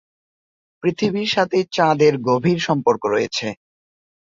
পৃথিবীর সাথে চাঁদের গভীর সম্পর্ক রয়েছে।